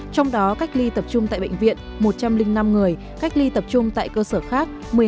trong đó cách ly tập trung tại bệnh viện một trăm linh năm người cách ly tập trung tại cơ sở khác